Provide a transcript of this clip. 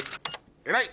偉い！